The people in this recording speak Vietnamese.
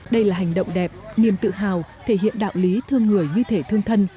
đây là hành động đẹp niềm tự hào thể hiện đạo lý thương người như thể thương thân